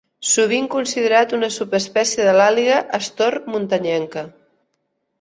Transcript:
Sovint considerat una subespècie de l'àguila astor muntanyenca.